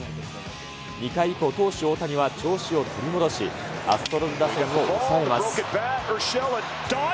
２回以降、投手、大谷は調子を取り戻し、アストロズ打線を抑えます。